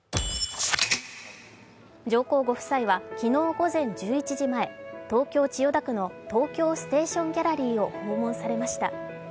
上皇ご夫妻は昨日午前１１時前東京・千代田区の東京ステーションギャラリーを訪問されました。